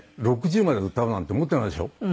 ６０まで歌うなんて思ってないでしょ？